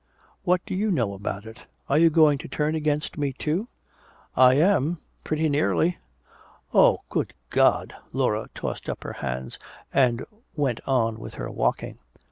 What do you know about it? Are you going to turn against me, too?" "I am pretty nearly " "Oh, good God!" Laura tossed up her hands and went on with her walking.